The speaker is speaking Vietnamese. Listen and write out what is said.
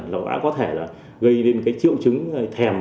nó đã có thể gây đến triệu chứng thèm